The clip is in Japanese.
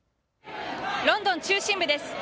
ロンドン中心部です。